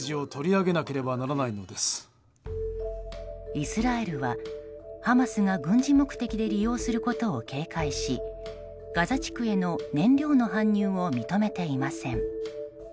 イスラエルはハマスが軍事目的で利用することを警戒しガザ地区への燃料の搬入を認めていません。